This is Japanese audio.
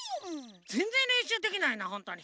ぜんぜんれんしゅうできないなほんとに。